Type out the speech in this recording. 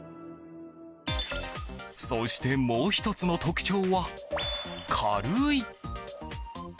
そしてもう１つの特徴は、軽い。